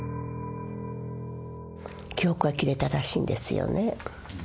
記憶が切れたらしいんですよね